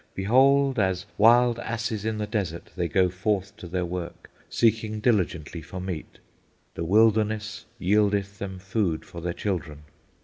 Behold, as wild asses in the desert they go forth to their work, seeking diligently for meat; the wilderness yieldeth them food for their children.